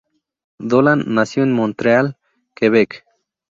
Dolan nació en Montreal, Quebec.